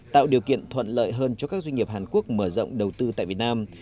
tạo điều kiện thuận lợi hơn cho các doanh nghiệp hàn quốc mở rộng đầu tư tại việt nam